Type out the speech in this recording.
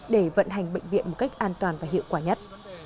để vận hành bệnh viện một cách an toàn và hiệu quả nhất